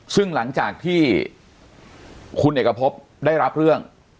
ซึ่งหลังจากที่คุณเอกพบได้รับเรื่อง